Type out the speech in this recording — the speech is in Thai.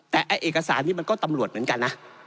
แต่เอกสารนี้มันก็ตำรวจเหมือนกันนะ